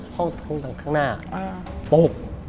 ตรงข้างหน้าโป๊ก